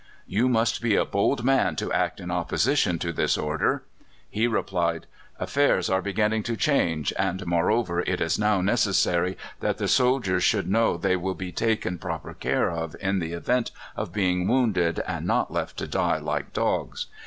"You must be a bold man to act in opposition to this order." He replied: "Affairs are beginning to change, and, moreover, it is now necessary that the soldiers should know they will be taken proper care of in the event of being wounded, and not left to die like dogs.